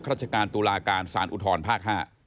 ราชการตุลาการสารอุทธรภาค๕